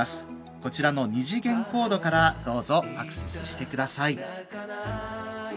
こちらの二次元コードからどうぞアクセスしてください。